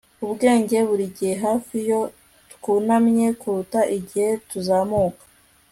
ubwenge burigihe hafi iyo twunamye kuruta igihe tuzamuka